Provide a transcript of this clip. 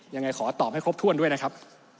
ยังไงขอตอบให้ครบถ้วนด้วยนะครับ